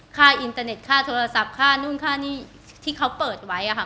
อินเตอร์เน็ตค่าโทรศัพท์ค่านู่นค่านี่ที่เขาเปิดไว้อะค่ะ